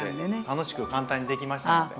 楽しく簡単にできましたので。